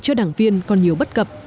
cho đảng viên còn nhiều bất cập